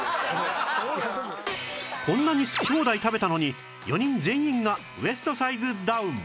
こんなに好き放題食べたのに４人全員がウエストサイズダウン！